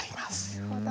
なるほど！